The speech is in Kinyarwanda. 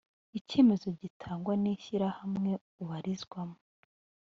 icyemezo gitangwa n’ishyirahamwe ubarizwamo